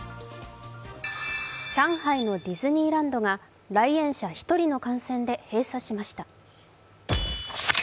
上海のディズニーランドが来園者１人の感染で閉鎖しました。